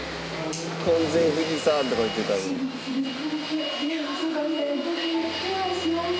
「婚前富士山！」とか言ってたのに。